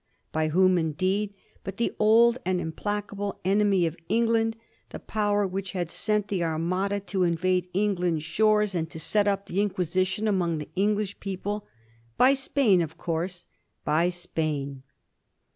By whom, indeed, but the old and im placable enemy of England, the Power which had sent the Armada to invade England's shores and to set up the Inquisition among the English people — ^by Spain, of course, by Spain